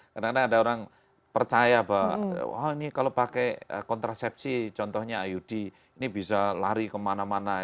kadang kadang ada orang percaya bahwa wah ini kalau pakai kontrasepsi contohnya iud ini bisa lari kemana mana